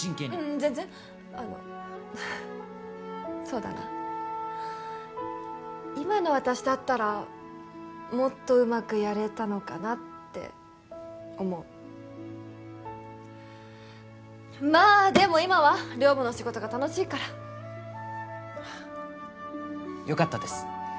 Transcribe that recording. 全然あのそうだな今の私だったらもっとうまくやれたのかなって思うまあでも今は寮母の仕事が楽しいからよかったです